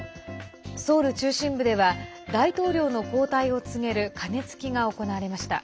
ソウル中心部では大統領の交代を告げる鐘つきが行われました。